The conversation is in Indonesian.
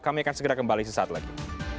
kami akan segera kembali sesaat lagi